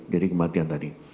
jadi kematian tadi